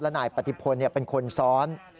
นายปฏิพลเป็นคนซ้อน